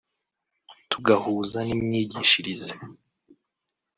tugahuza n’imyigishirize